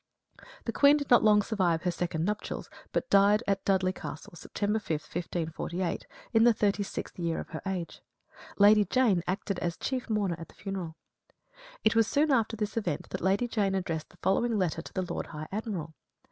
The Queen did not long survive her second nuptials, but died at Dudley Castle, September 5, 1548, in the thirty sixth year of her age. Lady Jane acted as chief mourner at the funeral. It was soon after this event that Lady Jane addressed the following letter to the Lord High Admiral.